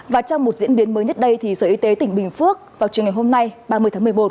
và trong một diễn biến mới nhất đây thì sở y tế tỉnh bình phước vào trường ngày hôm nay ba mươi tháng một mươi một